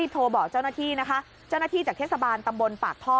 โทรบอกเจ้าหน้าที่นะคะเจ้าหน้าที่จากเทศบาลตำบลปากท่อ